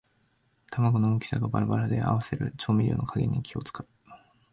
玉子の大きさがバラバラで合わせる調味料の加減に気をつかう